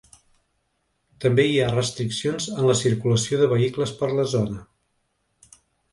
També hi ha restriccions en la circulació de vehicles per la zona.